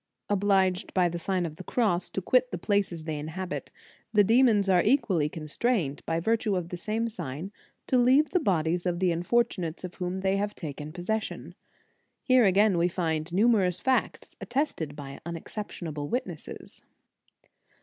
* Obliged by the Sign of the Cross to quit the places they inhabit, the demons are equally constrained, by virtue of the same sign, to leave the bodies of the unfortunates of whom they have taken possession. Here again we find numerous facts attested by unexception able witnesses.